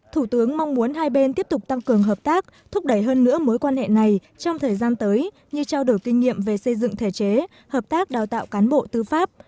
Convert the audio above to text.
thủ tướng mong muốn hai bên tiếp tục tăng cường hợp tác thúc đẩy hơn nữa mối quan hệ này trong thời gian tới như trao đổi kinh nghiệm về xây dựng thể chế hợp tác đào tạo cán bộ tư pháp